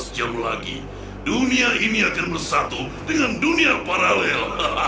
lima belas jam lagi dunia ini akan bersatu dengan dunia paralel